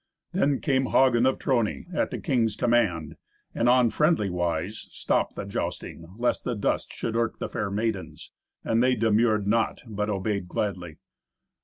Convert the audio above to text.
Then came Hagen of Trony at the king's command, and, on friendly wise, stopped the jousting, lest the dust should irk the fair maidens, and they demurred not, but obeyed gladly.